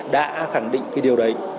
đã khẳng định cái điều đấy